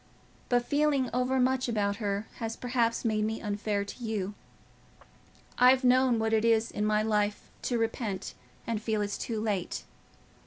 But feeling overmuch about her has perhaps made me unfair to you. I've known what it is in my life to repent and feel it's too late.